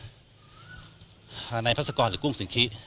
ฐานัยพระศกรหรือกุ้งสิงคิ